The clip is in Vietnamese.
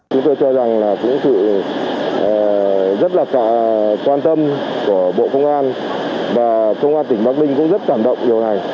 chúng tôi cho rằng là cũng rất là quan tâm của bộ công an và công an tỉnh bắc ninh cũng rất cảm động điều này